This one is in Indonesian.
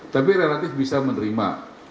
tapi relatif bisa menerima